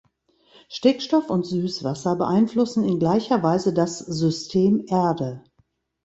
Stickstoff und Süßwasser beeinflussen in gleicher Weise das „System Erde“.